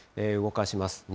動かします。